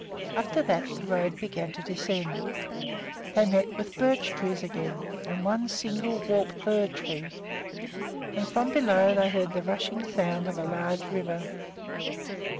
After that the road began to descend. They met with birch trees again and one single warped fir tree; and from below they heard the rushing sound of a large river.